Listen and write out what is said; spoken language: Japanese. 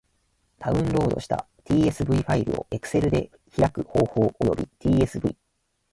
ダウンロードした tsv ファイルを Excel で開く方法及び tsv ...